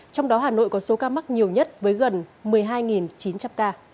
trong đó hà nội có số ca mắc nhiều nhất với gần một mươi hai chín trăm linh ca